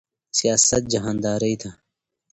سیاست جهانداری ده